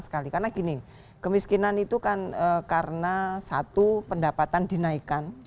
karena gini kemiskinan itu kan karena satu pendapatan dinaikkan